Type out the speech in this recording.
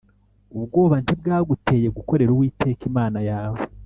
Ubwoba ntibwaguteye gukorera Uwiteka Imana yawe